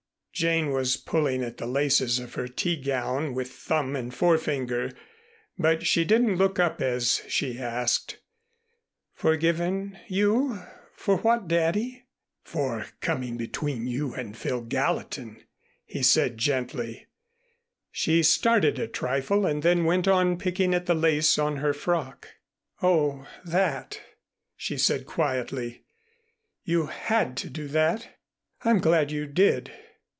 Jane was pulling at the laces of her tea gown with thumb and forefinger, but she didn't look up as she asked, "Forgiven you for what, Daddy?" "For coming between you and Phil Gallatin," he said gently. She started a trifle and then went on picking at the lace on her frock. "Oh, that," she said quietly. "You had to do that. I'm glad you did."